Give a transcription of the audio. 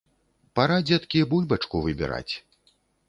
Пара, дзеткі, бульбачку выбіраць.